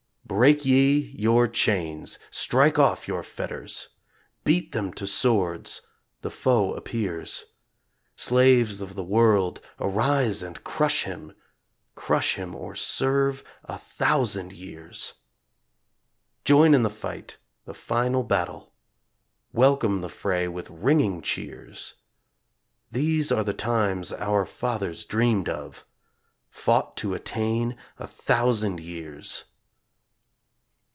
Break ye your chains, strike off your fetters; Beat them to swords, the Foe appears. Slaves of the world arise and crush him Crush him or serve a thousand years. Join in the fight the Final Battle, Welcome the fray with ringing cheers. These are the times our fathers dreamed of, Fought to attain a thousand years.